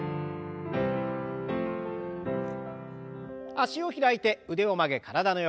脚を開いて腕を曲げ体の横。